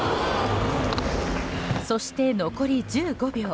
そして残り１５秒。